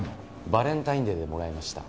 バレンタインデーでもらいました。